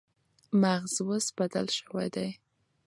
مغز اوس بدل شوی دی.